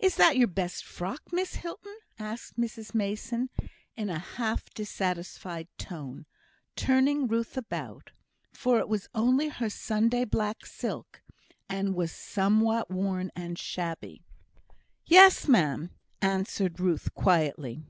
"Is that your best frock, Miss Hilton?" asked Mrs Mason, in a half dissatisfied tone, turning Ruth about; for it was only her Sunday black silk, and was somewhat worn and shabby. "Yes, ma'am," answered Ruth, quietly.